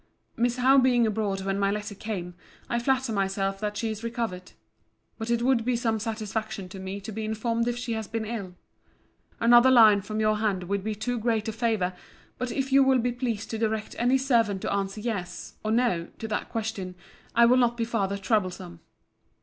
Miss Howe being abroad when my letter came, I flatter myself that she is recovered. But it would be some satisfaction to me to be informed if she has been ill. Another line from your hand would be too great a favour: but if you will be pleased to direct any servant to answer yes, or no, to that question, I will not be farther troublesome.